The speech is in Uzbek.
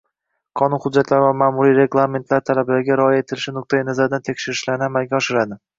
qonun hujjatlari va ma’muriy reglamentlar talablariga rioya etilishi nuqtai nazaridan tekshirishlarni amalga oshiradi.